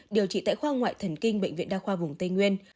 điều trị tại khoa ngoại thần kinh bệnh viện đa khoa vùng tây nguyên